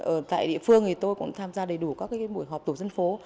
ở tại địa phương thì tôi cũng tham gia đầy đủ các buổi họp tổ dân phố